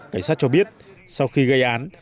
cảnh sát cho biết sau khi gây án